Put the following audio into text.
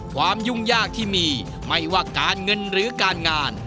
ยุ่งยากที่มีไม่ว่าการเงินหรือการงาน